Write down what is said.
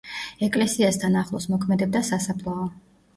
ეკლესიასთან ახლოს მოქმედებდა სასაფლაო.